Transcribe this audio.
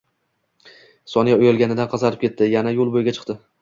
Sonya uyalganidan qizarib ketdi, yana yoʻl boʻyiga chiqdi